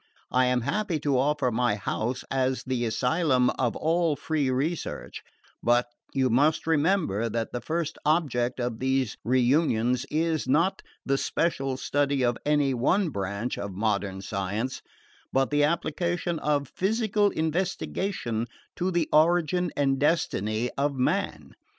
I am happy to offer my house as the asylum of all free research; but you must remember that the first object of these reunions is, not the special study of any one branch of modern science, but the application of physical investigation to the origin and destiny of man.